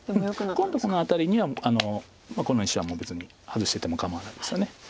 今度このアタリにはこの石はもう別にハズしてても構わないですよね。